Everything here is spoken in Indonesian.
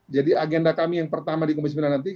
agenda kami yang pertama di komisi sembilan nanti